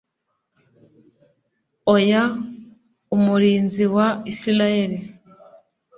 Oya umurinzi wa Israheli